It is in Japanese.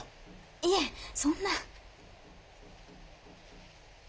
いえそんな。